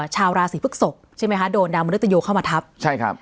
ชาวราศีพฤกษกใช่ไหมคะโดนดาวมนุษยเข้ามาทับใช่ครับ